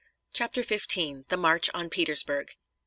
CHAPTER XV. THE MARCH ON PETERSBURG.